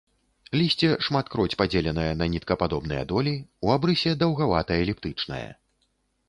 Лісце шматкроць падзеленае на ніткападобныя долі, у абрысе даўгавата-эліптычнае.